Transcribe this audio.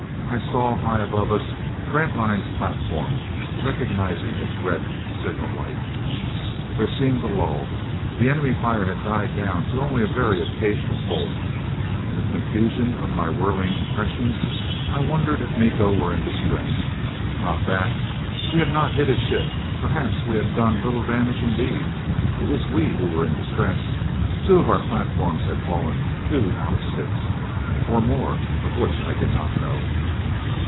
I saw, high above us, Grantline's platform, recognizing its red signal light. There seemed a lull. The enemy fire had died down to only a very occasional bolt. In the confusion of my whirling impressions, I wondered if Miko were in distress. Not that! We had not hit his ship; perhaps we had done little damage indeed! It was we who were in distress. Two of our platforms had fallen two out of six. Or more, of which I did not know.